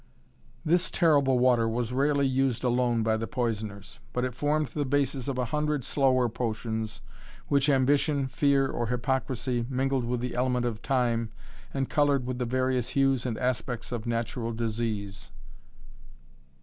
This terrible water was rarely used alone by the poisoners, but it formed the basis of a hundred slower potions which ambition, fear or hypocrisy, mingled with the element of time, and colored with the various hues and aspects of natural disease.